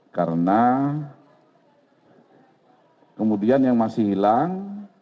karena kemudian yang masih hilang